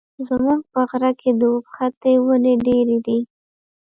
زموږ په غره کي د اوبښتي وني ډېري دي.